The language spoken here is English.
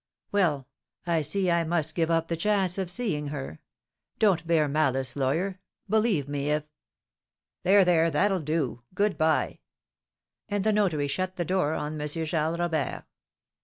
"Well, I see I must give up the chance of seeing her. Don't bear malice, lawyer. Believe me, if " "There there; that'll do. Good bye." And the notary shut the door on M. Charles Robert.